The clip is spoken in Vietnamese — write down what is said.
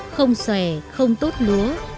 không xòe không tốt lúa